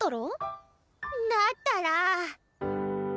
なったら。